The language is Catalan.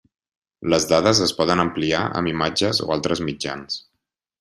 Les dades es poden ampliar amb imatges o altres mitjans.